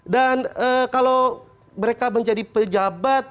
dan kalau mereka menjadi pejabat